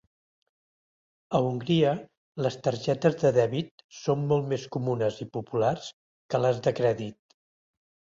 A Hongria, les targetes de dèbit són molt més comunes i populars que les de crèdit.